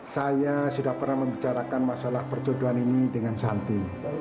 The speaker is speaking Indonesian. saya sudah pernah membicarakan masalah percodoan ini dengan santi